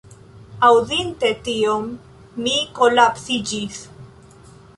Aŭdinte tion, mi kolapsiĝis.